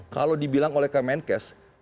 kalau dibilang oleh kemenkes